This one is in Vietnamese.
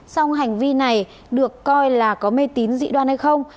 song hành vi này được coi là có mê tín dị đoan hay không